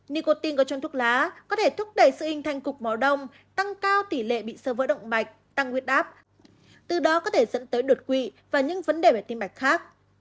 nicotine có trong thuốc lá có thể thúc đẩy sự hình thành cục máu đông tăng cao tỷ lệ bị sơ vỡ động mạch tăng huyết áp từ đó có thể dẫn tới đột quỵ và những vấn đề về tim mạch khác